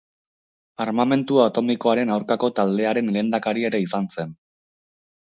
Armamentu atomikoaren aurkako taldearen lehendakari ere izan zen.